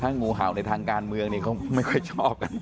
ถ้างูเห่าในทางการเมืองมันก็ไม่ค่อยชอบ